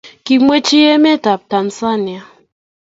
kimwechi ametab Tanzania